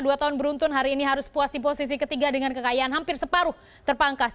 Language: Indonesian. dua tahun beruntun hari ini harus puas di posisi ketiga dengan kekayaan hampir separuh terpangkas